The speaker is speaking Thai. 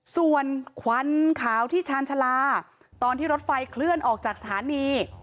ส่วนควันขาวที่ชาญชาลาตอนที่รถไฟเคลื่อนออกจากสถานี